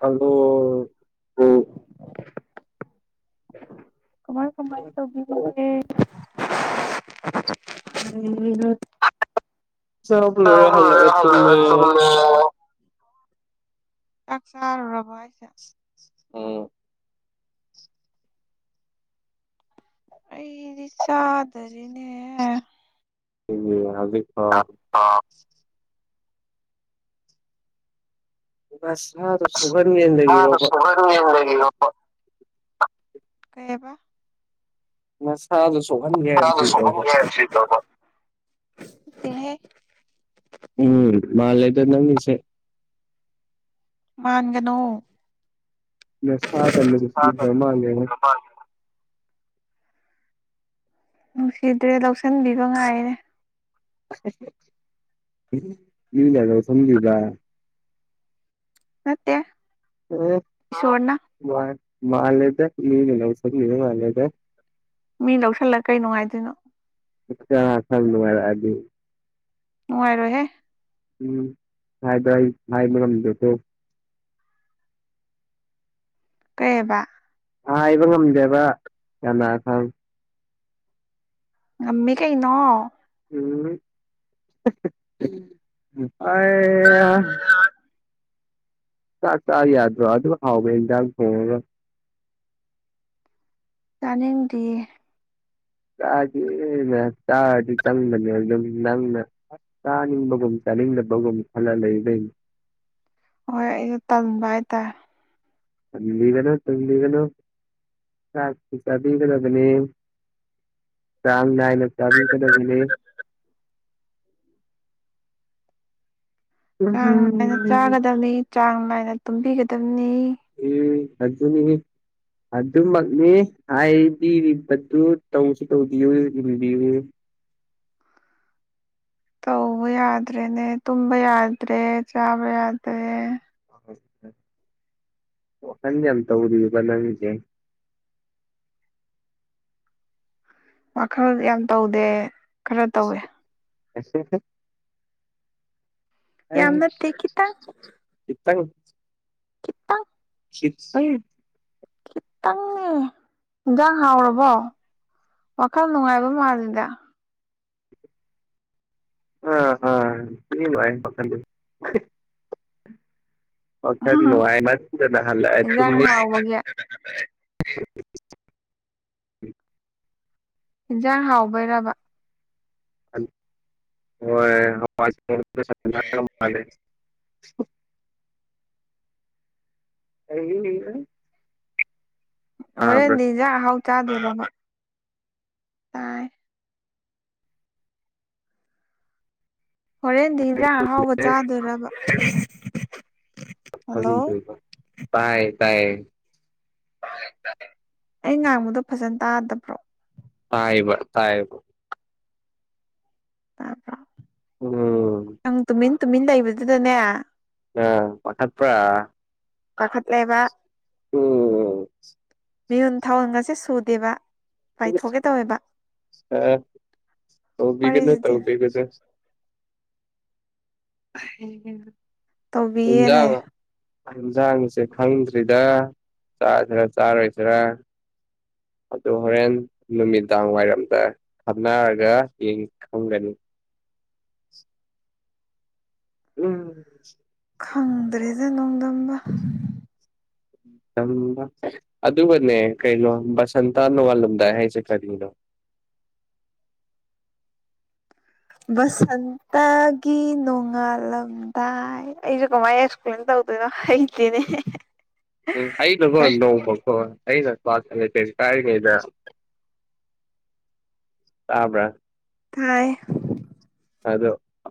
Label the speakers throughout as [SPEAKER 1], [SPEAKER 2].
[SPEAKER 1] Hello
[SPEAKER 2] ꯀꯃꯥꯏ ꯀꯃꯥꯏ ꯇꯧꯕꯤꯔꯤ
[SPEAKER 1] ꯆꯥꯕ ꯂꯣꯏꯔ ꯍꯜꯂꯛꯑꯒ ꯇꯨꯝꯃꯦ
[SPEAKER 2] ꯆꯥꯛ ꯆꯥꯔꯨꯔꯕ‌ꯣ ꯍꯥꯏꯖ‌ꯦ
[SPEAKER 1] ꯎꯝ
[SPEAKER 2] ꯑꯩꯗꯤ ꯆꯥꯗꯔꯤꯅꯦ
[SPEAKER 1] ꯍꯧꯖꯤꯛꯐꯥꯎ ꯅꯁꯥꯗꯣ ꯁꯨꯍꯟ [unintelligible]
[SPEAKER 2] [unintelligible] ꯀꯩ ꯑꯕ
[SPEAKER 1] ꯅꯁꯥꯗꯣ ꯁꯣꯛꯍꯟꯒꯦꯅ ꯂꯩꯔꯤꯔꯣꯕ
[SPEAKER 2] [unintelligible] ꯅꯠꯇꯦꯍꯦ
[SPEAKER 1] ꯎꯝ ꯃꯥꯜꯂꯦꯗ ꯅꯪꯒꯤꯁꯦ
[SPEAKER 2] ꯃꯥꯟꯒꯅꯣ
[SPEAKER 1] ꯅꯁꯥꯒ [unintelligible]
[SPEAKER 2] [unintelligible] ꯅꯨꯡꯁꯤꯗ꯭ꯔꯦ ꯂꯧꯁꯤꯟꯕꯤꯕ ꯉꯥꯏꯔꯤꯅꯦ
[SPEAKER 1] [unintelligible] ꯂꯧꯁꯟꯕꯤꯕ
[SPEAKER 2] ꯅꯠꯇꯦ ꯏꯁꯣꯔꯅ
[SPEAKER 1] ꯎ ꯃꯥ ꯃꯥꯂꯦꯗ ꯃꯤꯅ ꯂꯧꯁꯤꯟꯒꯤꯕ ꯃꯥꯂꯦꯗ
[SPEAKER 2] ꯃꯤ ꯂꯧꯁꯤꯜꯂꯒ ꯀꯔꯤ ꯅꯨꯡꯉꯥꯏꯗꯣꯏꯅꯣ
[SPEAKER 1] [inaudible] ꯅꯨꯡꯉꯥꯏꯔꯛꯑꯗꯤ
[SPEAKER 2] ꯅꯨꯡꯉꯥꯏꯔꯣꯏꯍꯦ
[SPEAKER 1] ꯎꯝ [unintelligible] ꯍꯥꯏꯕ ꯉꯝꯗꯦꯀꯣ
[SPEAKER 2] ꯀꯩ ꯑꯕ
[SPEAKER 1] ꯍꯥꯏꯕ ꯉꯝꯗꯦꯕ ꯀꯅꯥ ꯈꯪ
[SPEAKER 2] ꯉꯝꯃꯤ ꯀꯩꯅꯣ
[SPEAKER 1] ꯎꯝ [unintelligible] ꯆꯥꯛ ꯆꯥ ꯌꯥꯗ꯭ꯔꯣ ꯑꯗꯨꯛ ꯍꯥꯎꯕ ꯑ‌ꯦꯟꯖꯥꯡ ꯊ‌ꯣꯡꯉꯒ
[SPEAKER 2] ꯆꯥꯅꯤꯡꯗꯦ
[SPEAKER 1] ꯆꯥꯒꯦꯅ ꯆꯥꯔꯗꯤ ꯆꯪꯕꯅꯦ ꯑꯗꯨꯝ ꯅꯪꯅ ꯆꯥꯅꯤꯡꯕꯒꯨꯝ ꯆꯥꯅꯤꯡꯕꯒꯨꯝ ꯈꯜꯂ ꯂꯩꯕꯩ
[SPEAKER 2] ꯍꯣꯏ ꯑꯩꯖꯨ ꯇꯟꯕ ꯍꯥꯏꯇꯥꯔꯦ
[SPEAKER 1] ꯇꯟꯕꯤꯒꯅꯨ ꯇꯟꯕꯤꯒꯅꯨ ꯆꯥꯛꯇꯤ ꯆꯥꯕꯤꯒꯗꯕꯅ‌ꯦ ꯆꯥꯡ ꯅꯥꯏꯅ ꯆꯥꯕꯤꯒꯗꯕꯅꯦ
[SPEAKER 2] ꯆꯥꯡ ꯅꯥꯏꯅ
[SPEAKER 1] ꯎꯝ
[SPEAKER 2] ꯆꯥꯒꯗꯕꯅꯤ ꯆꯥꯡ ꯅꯥꯏꯅ ꯇꯨꯝꯕꯤꯒꯗꯕꯅꯤ
[SPEAKER 1] ꯎꯝ ꯑꯗꯨꯅꯤ ꯑꯗꯨꯃꯛꯅꯤ ꯍꯥꯏꯕꯤꯔꯤꯕꯗꯨ ꯇꯧꯁꯨ ꯇꯧꯕꯤꯌꯨ ꯏꯟꯕꯤꯌꯨ
[SPEAKER 2] ꯇꯧꯕ ꯌꯥꯗ꯭ꯔꯦꯅꯦ ꯇꯨꯝꯕ ꯌꯥꯗ꯭ꯔꯦ ꯆꯥꯕ ꯌꯥꯗ꯭ꯔꯦ
[SPEAKER 1] ꯋꯥꯈꯟꯒ ꯌꯥꯝ ꯇꯧꯔꯤꯕ ꯅꯪꯁꯦ
[SPEAKER 2] ꯋꯥꯈꯜ ꯌꯥꯝ ꯇꯧꯗꯦ ꯈꯔ ꯇꯧꯋꯦ
[SPEAKER 1] [unintelligible]
[SPEAKER 2] ꯌꯥꯝ ꯅꯠꯇ‌ꯦ ꯈꯤꯠꯇꯪ
[SPEAKER 1] ꯈꯤꯇꯪ
[SPEAKER 2] ꯈꯤꯇꯪ
[SPEAKER 1] [unintelligible]
[SPEAKER 2] ꯈꯤꯇꯪ ꯏꯟꯖꯥꯡ ꯍꯥꯎꯔꯕꯣ ꯋꯥꯈꯜ ꯅꯨꯡꯉꯥꯏꯕ ꯃꯥꯜꯂꯤꯗ
[SPEAKER 1] ꯑ ꯑꯥ ꯊꯤ ꯅꯨꯉꯥꯏ ꯋꯥꯈꯟꯗꯤ ꯋꯥꯈꯟ ꯅꯨꯡꯉꯥꯏꯃꯟꯗꯅ ꯍꯜꯂꯛꯑ
[SPEAKER 2] ꯏꯟꯖꯥꯡ
[SPEAKER 1] ꯇꯨꯝꯃꯤ
[SPEAKER 2] ꯍꯥꯎꯕꯒꯤ
[SPEAKER 1] [unintelligible]
[SPEAKER 2] ꯌꯦꯟꯁꯥꯡ ꯍꯥꯎꯕꯩꯔꯕ
[SPEAKER 1] ꯍꯣꯏ [inaudible] [unintelligible]
[SPEAKER 2] ꯍꯣꯔꯦꯟꯗꯤ ꯌꯦꯟꯖꯥꯡ ꯑꯍꯥꯎ ꯆꯥꯗꯨꯢꯔꯕ ꯇꯥꯏ ꯍꯣꯔꯦꯟꯗꯤ ꯏꯟꯖꯥꯡ ꯑꯍꯥꯎꯕ ꯆꯥꯗꯣꯏꯔꯕ ꯍꯜꯂꯣ
[SPEAKER 1] [unintelligible] ꯇꯥꯏ ꯇꯥꯏ
[SPEAKER 2] ꯑꯩ ꯉꯥꯡꯕꯗꯣ ꯐꯖꯅ ꯇꯥꯗꯕ꯭ꯔꯣ
[SPEAKER 1] ꯇꯥꯏꯕ ꯇꯥꯏꯕ
[SPEAKER 2] ꯇꯥꯕ꯭ꯔꯣ
[SPEAKER 1] ꯎꯝ
[SPEAKER 2] ꯅꯪ ꯇꯨꯃꯤꯟ ꯇꯨꯃꯤꯟ ꯂꯩꯕꯗꯨꯗꯅꯦ
[SPEAKER 1] ꯑꯥ ꯄꯥꯈꯠꯄꯔ
[SPEAKER 2] ꯄꯥꯈꯠꯂꯦꯕ
[SPEAKER 1] ꯎꯝ
[SPEAKER 2] ꯃꯤꯍꯨꯟ ꯊꯥꯎꯟꯒꯁꯦ ꯁꯨꯗꯦꯕ ꯄꯥꯏꯊꯣꯛꯀꯦ
[SPEAKER 1] ꯑ
[SPEAKER 2] ꯇꯧꯋꯦꯕ--ꯋꯥꯔꯤꯁꯤꯗꯤ
[SPEAKER 1] ꯁꯦ [unintelligible] ꯀꯩ ꯖꯦꯟꯂ
[SPEAKER 2] ꯇꯧꯕꯤꯌꯦꯅꯦ
[SPEAKER 1] ꯌꯦꯟꯁꯥꯡꯁꯦ ꯈꯪꯗ꯭ꯔꯤꯗ ꯆꯥꯁꯤꯔꯥ ꯆꯥꯔꯣꯏꯁꯤꯔꯥ ꯑꯗꯨ ꯍꯣꯔꯦꯟ ꯅꯨꯃꯤꯗꯥꯡ ꯋꯥꯏꯔꯝꯗ ꯈꯟꯅꯔꯒ ꯌꯦꯡ ꯈꯪꯒꯅꯤ ꯎꯝ
[SPEAKER 2] ꯈꯪꯗ꯭ꯔꯦꯗ ꯅꯣꯡꯗꯝꯕ
[SPEAKER 1] [unintelligible] ꯑꯗꯨꯒꯅꯦ ꯀꯩꯅꯣ ꯕꯁꯟꯇꯥ ꯅꯣꯡꯉꯥꯜꯂꯝꯗꯥꯏ ꯍꯥꯏꯁꯦ ꯀꯔꯤꯅꯣ
[SPEAKER 2] ꯕꯁꯟꯇꯒꯤ ꯅꯣꯡꯉꯥꯜꯂꯝ ꯗꯥꯏ ꯑꯩꯁꯨ ꯀꯃꯥꯏꯅ ꯑꯦꯛꯁꯄ꯭ꯂꯦꯟ ꯇꯧꯗꯣꯏꯅꯣ ꯍꯩꯇꯦꯅꯦ꯫
[SPEAKER 1] ꯎꯝ ꯑꯩꯅꯀꯣ
[SPEAKER 2] ꯊꯥꯏ
[SPEAKER 1] ꯅꯣꯡꯃꯀꯣ ꯑꯩꯅ ꯀ꯭ꯂꯥꯁ ꯏꯂꯕꯦꯟ ꯀꯥꯏꯔꯤꯉꯩꯗ ꯇꯥꯕ꯭ꯔꯥ
[SPEAKER 2] ꯇꯥꯏ꯫
[SPEAKER 1] ꯑꯗꯣ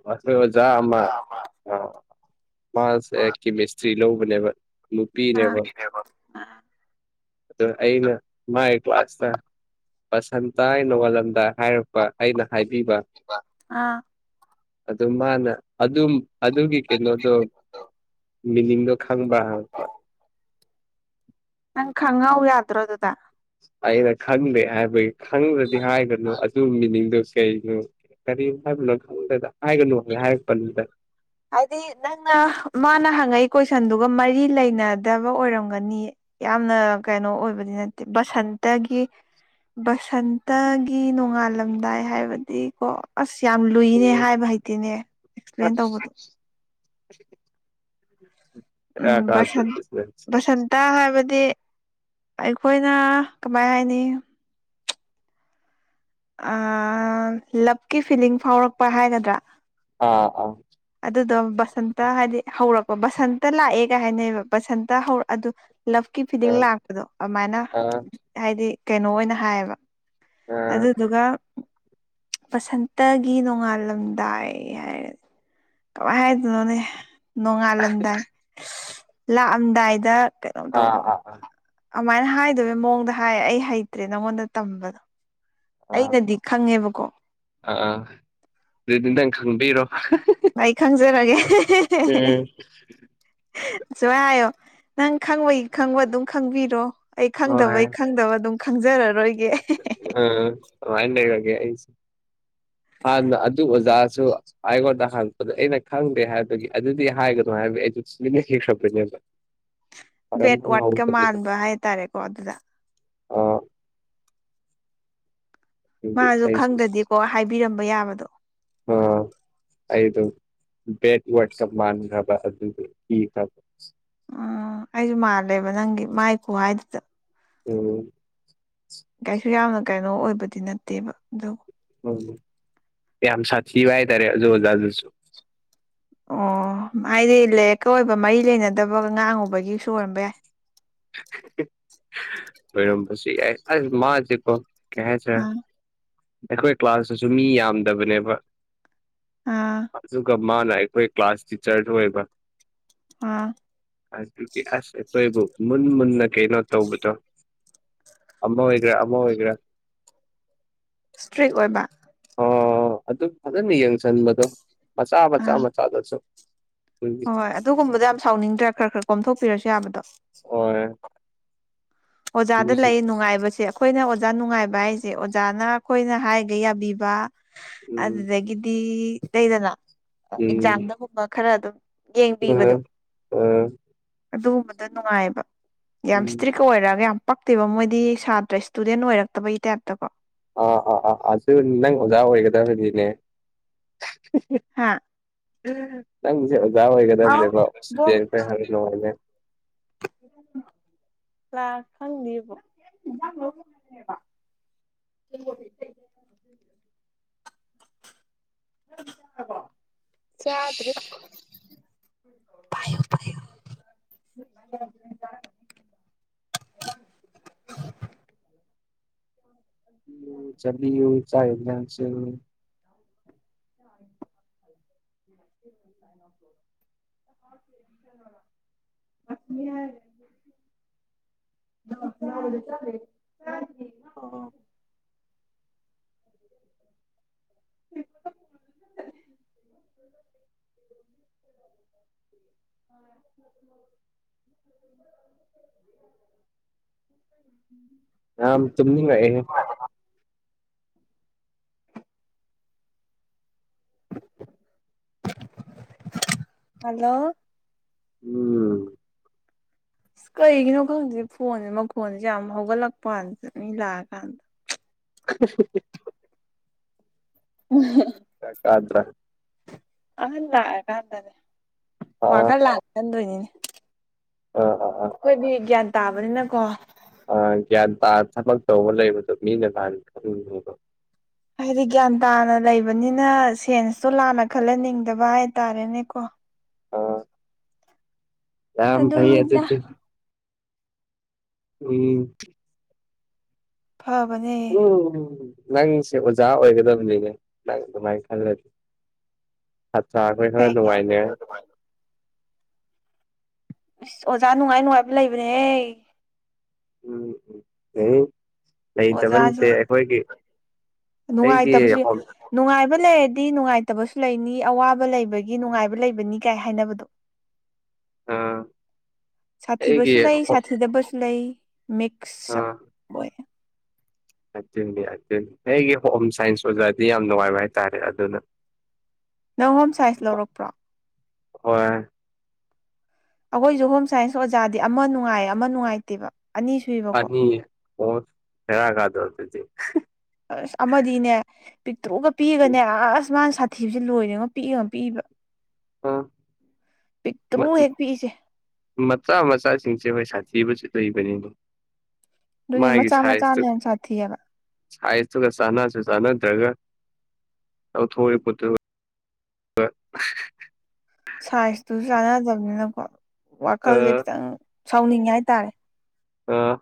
[SPEAKER 1] ꯑꯩꯈꯣꯏ ꯑꯣꯖꯥ ꯑꯃ ꯑ ꯃꯥꯁꯦ ꯀꯦꯃꯤꯁꯇ꯭ꯔꯤ ꯂꯧꯕꯅꯦꯕ
[SPEAKER 2] ꯑꯥ
[SPEAKER 1] ꯅꯨꯄꯤꯅꯦꯕ ꯑꯗ ꯑꯩꯅ ꯃꯥꯏ ꯀ꯭ꯂꯥꯁꯇ ꯕꯁꯟꯇꯥꯏ ꯅꯣꯡꯉꯥꯜꯂꯝꯗꯥꯏ ꯍꯥꯏꯔꯛꯄ ꯑꯩꯅ ꯍꯥꯏꯕꯤꯕ
[SPEAKER 2] ꯑꯥ
[SPEAKER 1] ꯑꯗꯨ ꯃꯥꯅ ꯑꯗꯨꯝ ꯑꯗꯨꯒꯤ ꯀꯩꯅꯣꯗꯣ ꯃꯤꯅꯤꯡꯗꯣ ꯈꯪꯕ꯭ꯔ ꯍꯪꯉꯛꯄ
[SPEAKER 2] ꯅꯪ ꯈꯪꯍꯧ ꯌꯥꯗ꯭ꯔꯣ ꯑꯗꯨꯗ
[SPEAKER 1] ꯑꯩꯅ ꯈꯪꯗꯦ ꯍꯥꯏꯕꯒꯤ ꯈꯪꯗ꯭ꯔꯗꯤ ꯍꯥꯏꯒꯅꯨ ꯑꯗꯨ ꯃꯤꯅꯤꯡꯗ‌ꯣꯁꯨ ꯀꯔꯤꯒꯤꯅꯣ ꯀꯔꯤ ꯍꯥꯏꯕꯅꯣ ꯈꯪꯗ‌ꯦꯗ ꯍꯥꯏꯒꯅꯨ ꯍꯥꯏꯅ ꯍꯥꯏꯔꯛꯄꯅꯤꯗ
[SPEAKER 2] ꯍꯥꯏꯗꯤ ꯅꯪꯅ ꯃꯥꯅ ꯍꯪꯉꯛꯏ ꯀꯣꯏꯁꯟꯗꯨꯒ ꯃꯔꯤ ꯂꯩꯅꯗꯕ ꯑꯣꯏꯔꯝꯒꯅꯤꯌꯦ ꯌꯥꯝꯅ ꯀꯩꯅꯣ ꯑꯣꯏꯕꯗꯤ ꯅꯠꯇꯦ ꯕꯁꯟꯇꯒꯤ ꯕꯁꯟꯇꯒꯤ ꯅꯣꯡꯉꯥꯜꯂꯝꯗꯥꯏ ꯍꯥꯏꯕꯗꯤꯀꯣ ꯑꯁ ꯌꯥꯝ ꯂꯨꯏꯅꯦ ꯍꯥꯏꯕ ꯍꯩꯇꯦꯅꯦ ꯑꯦꯛꯁꯄ꯭ꯂꯦꯟ
[SPEAKER 1] ꯑꯁ
[SPEAKER 2] ꯇꯧꯕꯗꯣ
[SPEAKER 1] [unintelligible]
[SPEAKER 2] ꯎꯝ
[SPEAKER 1] ꯕꯦꯔꯥ ꯀꯥꯗ꯭ꯔꯣ
[SPEAKER 2] ꯕꯁꯟ
[SPEAKER 1] ꯑꯗꯨꯗꯤ
[SPEAKER 2] ꯕꯁꯟ ꯇꯥ ꯍꯥꯏꯕꯗꯤ ꯑꯩꯈꯣꯏꯅ ꯀꯃꯥꯏ ꯍꯥꯏꯅꯤ ꯑꯥ ꯂꯞꯀꯤ ꯐꯤꯂꯤꯡ ꯐꯥꯎꯔꯛꯄ ꯍꯥꯏꯒꯗ꯭ꯔ
[SPEAKER 1] ꯑꯥ-ꯑꯥ
[SPEAKER 2] ꯑꯗꯨꯗꯣ ꯕꯁꯟꯇ ꯍꯥꯏꯗꯤ ꯍꯧꯔꯛꯄ ꯕꯁꯟꯇ ꯂꯥꯛꯑꯦ ꯀꯥꯏ ꯍꯥꯏꯅꯩꯕ ꯕꯁꯟꯇ ꯍꯧꯔꯛ ꯑꯗꯨ ꯂꯞꯀꯤ ꯐꯤꯗꯤꯡ
[SPEAKER 1] ꯑꯥ
[SPEAKER 2] ꯂꯥꯛꯄꯗꯣ ꯑꯗꯨꯃꯥꯏꯅ
[SPEAKER 1] ꯑꯥ
[SPEAKER 2] ꯍꯥꯏꯗꯤ ꯀꯩꯅꯣ ꯑꯣꯏꯅ ꯍꯥꯏꯌꯦꯕ
[SPEAKER 1] ꯑꯥ
[SPEAKER 2] ꯑꯗꯨꯗꯨꯒ ꯕꯁꯟꯇꯒꯤ ꯅꯣꯡꯉꯥꯜꯂꯝꯗꯥꯏ ꯍꯥꯏꯔꯦ ꯀꯃꯥꯏ ꯍꯥꯏꯗꯣꯏꯅꯣꯅꯦ ꯅꯣꯡꯉꯥꯜꯂꯝꯗꯥꯏ ꯂꯥꯛꯑꯝꯗꯥꯏꯗ ꯀꯩꯅꯣꯝ ꯇꯧꯕ
[SPEAKER 1] ꯑꯥ ꯑꯥ
[SPEAKER 2] ꯑꯗꯨꯃꯥꯏꯅ ꯍꯥꯏꯗꯕꯒꯤ ꯃꯑꯣꯡꯗ ꯍꯥꯏ ꯑꯩ ꯍꯩꯇ꯭ꯔꯦ ꯅꯉꯣꯟꯗ ꯇꯝꯕꯗꯣ
[SPEAKER 1] ꯑꯥ ꯑꯥ
[SPEAKER 2] ꯑꯩꯅꯗꯤ ꯈꯪꯉꯦꯕꯀꯣ
[SPEAKER 1] ꯑꯥ ꯑꯗꯨꯗꯤ ꯅꯪ ꯈꯪꯕꯤꯔꯣ
[SPEAKER 2] ꯑꯩ ꯈꯪꯖꯔꯒꯦ
[SPEAKER 1] ꯎꯝ
[SPEAKER 2] ꯁꯨꯃꯥꯢ ꯍꯥꯏꯌꯣ ꯅꯪ ꯈꯪꯕꯒꯤ ꯈꯪꯕ ꯑꯗꯨꯝ ꯈꯪꯕꯤꯔꯣ ꯑꯩ ꯈꯪꯗꯕꯩ
[SPEAKER 1] ꯍꯣꯏ
[SPEAKER 2] ꯑꯩ ꯈꯪꯗꯕ ꯑꯗꯨꯝ ꯈꯪꯖꯔꯔꯣꯏꯒꯦ
[SPEAKER 1] ꯎ ꯑꯗꯨꯃꯥꯏ ꯂꯩꯔꯒꯦ ꯑꯩꯁꯨꯦ ꯑꯗꯨ ꯑꯣꯖꯥꯁꯨ ꯑꯩꯉꯣꯟꯗ ꯍꯪꯉꯛꯄꯗ ꯑꯩꯅ ꯈꯪꯗꯦ ꯍꯥꯏꯕꯒꯤ ꯑꯗꯨꯗꯤ ꯍꯥꯏꯒꯅꯨ ꯍꯥꯏꯕꯒꯤ ꯑꯩꯁꯨ ꯇꯨꯃꯤꯟꯅ ꯂꯩꯈꯔꯕꯅꯦꯕ [inaudible]
[SPEAKER 2] ꯕꯦꯠ ꯋꯥ꯭ꯔꯠꯀ ꯃꯥꯟꯕ ꯍꯥꯏꯇꯥꯔꯦꯀꯣ ꯑꯗꯨꯗ
[SPEAKER 1] ꯑꯣ ꯑꯗꯨꯒꯤ
[SPEAKER 2] ꯃꯥꯁꯨ
[SPEAKER 1] ꯑꯩꯁꯨ
[SPEAKER 2] ꯈꯪꯗꯗꯤꯀꯣꯛ ꯍꯥꯏꯕꯤꯔꯝꯕ ꯌꯥꯕꯗꯣ
[SPEAKER 1] ꯑꯣ ꯑꯩ ꯦꯠ ꯋꯥ ꯃꯥꯥꯟ ꯍꯥꯕ ꯑꯗꯨꯗꯤ ꯍꯥꯕ
[SPEAKER 2] ꯑꯩꯁꯨ ꯃꯥꯜꯂꯦꯕ ꯅꯪꯒꯤ ꯃꯥꯏ ꯈꯨꯍꯥꯏꯗꯨꯗ
[SPEAKER 1] ꯎꯝ
[SPEAKER 2] ꯀꯩꯁꯨ ꯌꯥꯝꯅ ꯀꯩꯅꯣ ꯑꯣꯏꯕꯗꯤ ꯅꯠꯇꯦꯕ ꯑꯗꯨ
[SPEAKER 1] ꯎꯝ--ꯌꯥꯝ ꯁꯥꯊꯤꯕ ꯍꯥꯏꯇꯥꯔꯦ ꯑꯗꯨ ꯑꯣꯖꯥ ꯑꯗꯨꯁꯨ
[SPEAKER 2] ꯑꯣ ꯍꯥꯏꯗꯤ ꯂꯥꯏꯔꯤꯛꯀ ꯑꯣꯏꯕ ꯃꯔꯤ ꯂꯩꯅꯗꯕꯒ ꯉꯥꯡꯉꯨꯕꯒꯤꯁꯨ ꯑꯣꯏꯔꯝꯕ ꯌꯥꯏ
[SPEAKER 1] ꯑꯣꯏꯔꯝꯕꯁꯨ ꯌꯥꯏ ꯑꯁ ꯃꯥꯖ‌ꯦꯀ‌ꯣ ꯀ‌ꯩꯍꯥꯏ
[SPEAKER 2] ꯑ
[SPEAKER 1] ꯇꯥꯔ‌ꯦ ꯑꯩꯈꯣꯏ ꯀ꯭ꯂꯥꯁꯇꯨꯁꯨ ꯃꯤ ꯌꯥꯝꯗꯕꯅꯦꯕ
[SPEAKER 2] ꯑ
[SPEAKER 1] ꯑꯗꯨꯒ ꯃꯥꯅ ꯑꯩꯈꯣꯏ ꯀ꯭ꯂꯥꯁ ꯇꯤꯆ꯭ꯔꯁꯨ ꯑꯣꯏꯕ
[SPEAKER 2] ꯑꯥ
[SPEAKER 1] ꯑꯗꯨꯒꯤ ꯑꯁ ꯑꯩꯈꯣꯏꯕꯨ ꯃꯨꯟ ꯃꯨꯟꯅ ꯀꯩꯅꯣ ꯇꯧꯕꯗꯣ ꯑꯃ ꯑꯣꯏꯒꯦꯔꯥ ꯑꯃ ꯑꯣꯏꯒꯦꯔꯥ
[SPEAKER 2] ꯏꯁꯇ꯭ꯔꯤꯛ ꯑꯣꯏꯕ
[SPEAKER 1] ꯑꯣ ꯑꯗꯨꯝ ꯐꯖꯅ ꯌꯦꯡꯁꯟꯕꯗꯣ ꯃꯆꯥ ꯃꯆꯥ
[SPEAKER 2] ꯑꯥ
[SPEAKER 1] ꯃꯆꯥꯗꯁꯨ
[SPEAKER 2] ꯍꯣꯏ ꯑꯗꯨꯒꯨꯝꯕꯣ ꯌꯥꯝ ꯁꯥꯎꯅꯤꯡꯗ꯭ꯔꯥ ꯈ꯭ꯔ-ꯈ꯭ꯔ ꯀꯣꯝꯊꯣꯛꯄꯤꯔꯁꯨ ꯌꯥꯕꯗꯣ
[SPEAKER 1] ꯍ
[SPEAKER 2] ꯑꯣꯖꯥꯗ ꯂꯩ ꯅꯨꯡꯉꯥꯏꯕꯁꯦ ꯑꯩꯈꯣꯏꯅ ꯑꯣꯖꯥ ꯅꯨꯡꯉꯥꯏꯕ ꯍꯥꯏꯁꯦ ꯑꯣꯖꯥꯅ ꯑꯩꯈꯣꯏꯅ ꯍꯥꯏꯔꯤꯒꯩ ꯌꯥꯕꯤꯕ
[SPEAKER 1] ꯎꯝ
[SPEAKER 2] ꯑꯗꯨꯗꯒꯤꯗꯤ ꯂꯩꯗꯅ
[SPEAKER 1] ꯎꯝ
[SPEAKER 2] ꯑꯦꯛꯖꯥꯝꯗꯒꯨꯝꯕ ꯈꯔ ꯑꯗꯨꯝ
[SPEAKER 1] ꯎꯝ
[SPEAKER 2] ꯌꯦꯡꯕꯤꯕꯗꯣ
[SPEAKER 1] ꯎꯝ
[SPEAKER 2] ꯑꯗꯨꯒꯨꯝꯕꯗꯣ ꯅꯨꯡꯉꯥꯏꯕ ꯌꯥꯝ
[SPEAKER 1] ꯎꯝ
[SPEAKER 2] ꯏꯁꯇ꯭ꯔꯤꯛ [unintelligible] ꯑꯣꯏꯔꯒ ꯌꯥꯝ ꯄꯛꯇꯦꯕ ꯃꯣꯏꯗꯤ ꯁꯥꯇ꯭ꯔ ꯏꯁꯇꯨꯗꯦꯟ ꯑꯣꯏꯔꯛꯇꯕꯒꯤ ꯇꯥꯏꯞꯇꯀꯣ
[SPEAKER 1] ꯑꯥ-ꯑꯥ-ꯑꯥ-ꯑꯗꯨ ꯅꯪ ꯑꯣꯖꯥ ꯑꯣꯏꯒꯗꯕꯅꯤꯅꯦ
[SPEAKER 2] ꯍꯥꯥ
[SPEAKER 1] ꯅꯪꯁꯦ ꯑꯣꯖꯥ ꯑꯣꯏꯒꯗꯕꯅꯦꯕꯣ [unintelligible]
[SPEAKER 2] [inaudible] ꯂꯥꯛ ꯈꯪꯗꯤꯌ‌ꯦ ꯕ‌ꯣꯛ [inaudible] ꯅꯪꯗꯤ ꯆꯥꯔꯕꯣ--ꯆꯥꯗ꯭ꯔꯤ ꯄꯣ ꯄꯣ
[SPEAKER 1] [unintelligible]
[SPEAKER 2] [inaudible] [inaudible] [unintelligible]
[SPEAKER 1] [unintelligible]
[SPEAKER 2] ꯑ [inaudible]
[SPEAKER 1] ꯌꯥꯝ ꯇꯨꯝꯅꯤꯡꯉꯦ
[SPEAKER 2] ꯍꯂꯣ
[SPEAKER 1] ꯎꯝ
[SPEAKER 2] ꯑꯁ ꯀꯩꯒꯤꯅꯣ ꯈꯪꯗꯦ ꯐꯣꯟꯁꯦ ꯃꯈꯣꯟꯁꯦ ꯌꯥꯝ ꯍꯧꯒꯠꯂꯛꯄ ꯀꯥꯟꯗ ꯃꯤ ꯂꯥꯛꯑꯀꯥꯟꯗ
[SPEAKER 1] [unintelligible]
[SPEAKER 2] ꯎꯝ
[SPEAKER 1] ꯗ꯭ꯔꯥ
[SPEAKER 2] ꯑꯍꯟ ꯂꯥꯛꯑꯀꯥꯟꯗꯅꯦ ꯋꯥ
[SPEAKER 1] ꯑꯥ
[SPEAKER 2] ꯈꯔ ꯂꯥꯛꯑ ꯆꯟꯗꯣꯏꯅꯤꯅꯦ
[SPEAKER 1] ꯑꯣ ꯑꯣ ꯑꯣ
[SPEAKER 2] ꯑꯩꯈꯣꯏꯗꯤ ꯒ꯭ꯌꯥꯟ ꯇꯥꯕꯅꯤꯅꯀꯣ
[SPEAKER 1] ꯑ ꯒ꯭ꯌꯥꯟ ꯇꯥ ꯊꯕꯛ ꯇꯧꯕ ꯂꯩꯕꯗꯣ ꯃꯤꯅ ꯂꯥꯟ ꯈꯪꯅꯤꯡꯕꯕꯣ
[SPEAKER 2] ꯍꯥꯏꯗꯤ ꯒ꯭ꯌꯥꯟ ꯇꯥꯅ ꯂꯩꯕꯅꯤꯅ ꯁꯦꯟꯁꯇꯣ ꯂꯥꯟꯅ ꯈꯜꯍꯟꯅꯤꯡꯗꯕ ꯍꯥꯏꯇꯥꯔꯦꯅꯦꯀꯣ
[SPEAKER 1] ꯑ ꯌꯥꯝꯝ ꯐ
[SPEAKER 2] ꯑꯗꯨꯅꯤꯗ
[SPEAKER 1] ꯑꯗꯨ ꯎꯝ
[SPEAKER 2] ꯐꯕꯅꯦ
[SPEAKER 1] ꯎ ꯅꯪꯁꯦ ꯑꯣꯖꯥ ꯑꯣꯏꯒꯗꯕꯅꯤꯅꯦ ꯅꯪ ꯑꯗꯨꯃꯥꯏꯅ ꯈꯜꯂꯗꯤ ꯍꯠꯁ ꯑꯈꯣꯏ ꯈꯔ
[SPEAKER 2] ꯀꯩꯒꯤ ꯑꯁ
[SPEAKER 1] ꯅꯨꯡꯉꯥꯏꯅꯦ
[SPEAKER 2] ꯑꯣꯖꯥ ꯅꯨꯡꯉꯥꯏ ꯅꯨꯡꯉꯥꯏꯕ ꯂꯩꯕꯅꯦꯍꯦ
[SPEAKER 1] ꯎꯝ ꯎ ꯍ ꯂꯩꯇꯕ ꯅꯠꯇꯦ
[SPEAKER 2] ꯑꯣꯖꯥꯁꯦ
[SPEAKER 1] ꯑꯩꯈꯣꯏꯒꯤ ꯑꯩꯒꯤ
[SPEAKER 2] ꯅꯨꯡꯉꯥꯏꯇꯕꯁꯨ
[SPEAKER 1] ꯍꯣꯝ
[SPEAKER 2] ꯅꯨꯡꯉꯥꯏꯕ ꯂꯩꯔꯗꯤ ꯅꯨꯡꯉꯥꯏꯇꯕꯁꯨ ꯂꯩꯅꯤ ꯑꯋꯥꯕ ꯂꯩꯕꯒꯤ ꯅꯨꯡꯉꯥꯏꯕ ꯂꯩꯕꯅꯤ ꯀꯥꯏ ꯍꯥꯏꯅꯕꯗꯣ
[SPEAKER 1] ꯑꯥ ꯑꯩꯒꯤ
[SPEAKER 2] ꯁꯥꯊꯤꯕꯁꯨ ꯂꯩ
[SPEAKER 1] ꯍꯣꯝ
[SPEAKER 2] ꯁꯥꯊꯤꯗꯕꯁꯨ ꯂꯩ ꯃꯤꯛꯁꯑꯞ ꯑꯣꯏ
[SPEAKER 1] ꯑꯗꯨꯅꯤ ꯑꯗꯨꯅꯤ ꯑꯩꯒꯤ ꯍꯣꯝ ꯁꯥꯏꯟꯁ ꯑꯣꯖꯥꯗꯤ ꯌꯥꯝ ꯅꯨꯡꯉꯥꯏꯕ ꯍꯥꯏꯇꯥꯔꯦ ꯑꯗꯨꯅ
[SPEAKER 2] ꯅꯪ ꯍꯣꯝ ꯁꯥꯏꯖ ꯂꯧꯔꯛꯄ꯭ꯔꯣ
[SPEAKER 1] ꯍꯣꯏ
[SPEAKER 2] ꯑꯩꯈꯣꯏꯁꯨ ꯍꯣꯝ ꯁꯥꯏꯟꯁ ꯑꯣꯖꯥꯗꯤ ꯑꯃ ꯅꯨꯡꯉꯥꯏꯌꯦ ꯑꯃ ꯅꯨꯡꯉꯥꯏꯇꯦꯕ ꯑꯅꯤꯁꯨ
[SPEAKER 1] [unintelligible] ꯕꯦꯔꯀꯥꯗꯔ ꯗꯨꯗꯤ
[SPEAKER 2] ꯑꯁ ꯑꯃꯗꯤꯅꯦ ꯄꯤꯛꯇꯣꯛꯑꯒ ꯄꯤꯒꯅꯦ ꯑꯁ ꯃꯥꯅ ꯁꯥꯊꯤꯁꯦ ꯂꯣꯏꯔꯉ ꯄꯤꯛꯑꯒ ꯑꯃ ꯄꯤꯏꯕ ꯄꯤꯛꯇ꯭ꯔꯨ ꯍꯦꯛ ꯄꯤꯛꯏꯁꯦ
[SPEAKER 1] ꯃ‌--ꯃꯆꯥ ꯃꯆꯥꯁꯤꯡꯁꯦ ꯍꯣꯏ ꯁꯥꯊꯤꯕꯁꯨ ꯂꯩꯕꯅꯤꯅꯦ꯫
[SPEAKER 2] ꯑꯗꯨꯏꯅꯦ ꯃꯆꯥ ꯃꯆꯥꯅꯦ ꯌꯥꯝ ꯁꯥꯊꯤꯑꯦꯕ
[SPEAKER 1] ꯁꯥꯏꯁ ꯇꯨꯒ ꯆꯥꯅꯁꯨ ꯆꯥꯅ ꯗ꯭ꯔꯒ꯫ ꯑ ꯊꯠꯇ
[SPEAKER 2] ꯁꯥꯏꯖꯇꯨꯁꯨ ꯆꯥꯟꯅꯗꯕꯅꯤꯅꯀꯣ ꯋꯥꯈꯜꯁꯦ
[SPEAKER 1] ꯑꯥ
[SPEAKER 2] ꯈꯤꯇꯪ ꯁꯥꯎꯅꯤꯡꯉꯦ ꯍꯥꯏꯇꯥꯔꯦ
[SPEAKER 1] ꯑ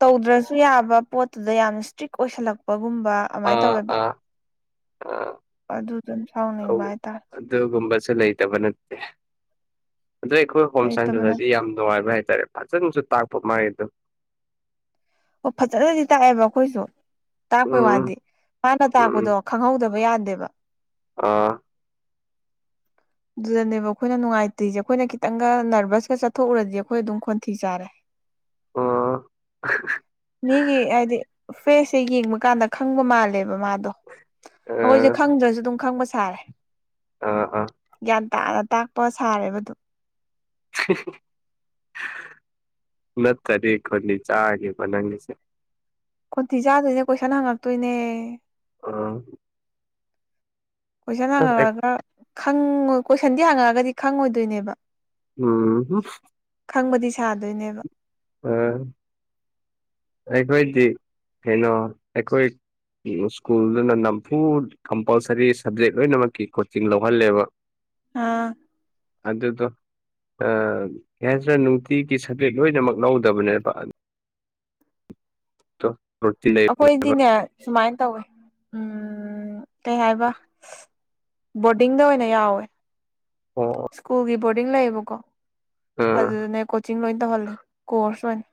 [SPEAKER 2] ꯇꯧꯗ꯭ꯔꯁꯨ ꯌꯥꯕ ꯄꯣꯠꯇꯨꯗ ꯌꯥꯝꯅ ꯏꯁꯇ꯭ꯔꯤꯛ ꯑꯣꯏꯁꯜꯂꯛꯄꯒꯨꯝꯕ ꯑꯗꯨꯃꯥꯏꯅ
[SPEAKER 1] ꯑꯥ
[SPEAKER 2] ꯇꯧꯋꯦꯕ
[SPEAKER 1] ꯑꯥ ꯑꯥ
[SPEAKER 2] ꯑꯗꯨꯗꯨꯝ
[SPEAKER 1] ꯇꯧ
[SPEAKER 2] ꯁꯥꯎꯅꯤꯡꯕ ꯍꯥꯏꯇꯥꯔꯦ
[SPEAKER 1] ꯑꯗꯨꯒꯨꯝꯕꯁꯨ ꯂꯩꯇꯕ ꯅꯠꯇꯦ ꯑꯗꯩꯈꯣ ꯣꯝ
[SPEAKER 2] ꯂꯩꯇꯕꯅ
[SPEAKER 1] ꯁꯥꯏꯟꯁꯗꯗꯤ ꯌꯥꯝ ꯅꯨꯡꯉꯥꯏꯕ ꯍꯥꯏꯇꯥꯔꯦ ꯐꯖꯅꯁꯨ ꯇꯥꯛꯄ ꯃꯥꯒꯤꯗꯣ
[SPEAKER 2] ꯑꯣ ꯐꯖꯅꯗꯤ ꯇꯥꯛꯑꯦꯕ ꯑꯈꯣꯏꯁꯨ ꯇꯥꯛꯄꯩ
[SPEAKER 1] ꯎꯝ
[SPEAKER 2] ꯋꯥꯗꯤ ꯝꯥꯅ ꯇꯥꯛꯄꯗꯣ
[SPEAKER 1] ꯎꯝ
[SPEAKER 2] ꯈꯪꯍꯧꯗꯕ ꯌꯥꯗꯦꯕ꯫
[SPEAKER 1] ꯑꯥ
[SPEAKER 2] ꯑꯗꯨꯗꯅꯦꯕ ꯑꯩꯈꯣꯏꯅ ꯅꯨꯡꯉꯥꯏꯇ꯭ꯔꯤꯁꯦ ꯑꯩꯈꯣꯏꯅ ꯈꯤꯇꯪꯒ ꯅꯔꯚꯁꯀ ꯆꯠꯊꯣꯛꯎꯔꯗꯤ ꯑꯩꯈꯣꯏ ꯑꯗꯨꯝ ꯈꯣꯟꯊꯤ ꯆꯥꯔꯦ
[SPEAKER 1] [inaudible] ꯑꯥ
[SPEAKER 2] ꯃꯤꯒꯤ ꯍꯥꯏꯗꯤ ꯐ꯭ꯔꯦꯁꯁꯦ ꯌꯦꯡꯕ ꯀꯥꯟꯗ ꯈꯪꯕ ꯃꯥꯜꯂꯦꯕ ꯃꯥꯗꯣ ꯑꯗꯣ ꯑꯩꯈꯣꯏꯁꯦ
[SPEAKER 1] ꯑꯥ
[SPEAKER 2] ꯈꯪꯗ꯭ꯔꯁꯨ ꯑꯗꯨꯝ ꯈꯪꯕ ꯁꯥꯔꯦ
[SPEAKER 1] ꯑꯥ ꯑꯥ
[SPEAKER 2] ꯒ꯭ꯌꯥꯟ ꯇꯥꯅ ꯇꯥꯛꯄ ꯁꯥꯔꯦꯕꯗꯨ
[SPEAKER 1] ꯅꯠꯇꯔ ꯈꯣꯟꯗꯤ ꯆꯥꯒꯕ ꯅꯪꯒꯤꯁꯦ
[SPEAKER 2] ꯈꯣꯟꯊꯤ ꯆꯥꯗꯣꯏꯅꯦ ꯀꯣꯏꯁꯟ ꯍꯪꯉꯛꯇꯣꯏꯅꯦ꯫
[SPEAKER 1] ꯑ
[SPEAKER 2] ꯀꯣꯏꯁꯟ
[SPEAKER 1] ꯑꯁ ꯑꯩ-
[SPEAKER 2] ꯍꯥꯡꯉꯛꯑꯒ ꯈꯉ ꯀꯣꯏꯁꯟꯗꯤ ꯍꯥꯡꯉꯛꯑꯒꯗꯤ ꯈꯪꯉꯣꯏꯗꯣꯏꯅꯦꯕ
[SPEAKER 1] ꯎꯝ
[SPEAKER 2] ꯈꯪꯕꯗꯤ ꯁꯥꯗꯣꯏꯅꯦꯕ
[SPEAKER 1] ꯎꯝ ꯑꯩꯈꯣꯏꯗꯤ ꯀꯩꯅꯣ ꯑꯩꯈꯣꯏ ꯁ꯭ꯀꯨꯜꯗꯨꯅ ꯅꯝꯐꯨ ꯀꯝꯄꯜꯁꯔꯤ ꯁꯕꯖꯦꯛ ꯂꯣꯏꯅꯃꯛꯀꯤ ꯀꯣꯆꯤꯡ ꯂꯧꯍꯜꯂꯦꯕ꯫
[SPEAKER 2] ꯑꯥ
[SPEAKER 1] ꯑꯗꯨꯗꯣ ꯑꯥ ꯀꯔꯤꯍꯥꯏꯁꯦꯔꯥ ꯅꯨꯡꯇꯤꯒꯤ ꯁꯕꯖꯦꯛ ꯂꯣꯏꯅꯃꯛ ꯂꯧꯗꯕꯅꯦꯕ ꯑꯗꯨꯗꯣ ꯔꯨꯇꯤꯟ ꯂꯩꯕꯅꯦꯕ
[SPEAKER 2] ꯑꯩꯈꯣꯏꯗꯤꯅꯦ ꯁꯨꯃꯥꯏꯅ ꯇꯧꯋꯦ ꯎꯝ ꯀꯩ ꯍꯥꯏꯕ ꯕꯣꯔꯗꯤꯡꯗ ꯑꯣꯏꯅ ꯌꯥꯎꯋꯦ
[SPEAKER 1] ꯑꯣ
[SPEAKER 2] ꯁ꯭ꯀꯨꯜꯒꯤ ꯕꯣꯔꯗꯤꯡ ꯂꯩꯌꯦꯕꯀꯣ
[SPEAKER 1] ꯑꯥ
[SPEAKER 2] ꯑꯗꯨꯗꯅꯦ ꯀꯣꯆꯤꯡ ꯂꯣꯏ ꯇꯧꯍꯜꯂꯦ ꯀꯣꯔꯁ ꯂ